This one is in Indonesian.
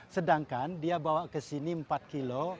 sedangkan dia bawa ke sini empat kilo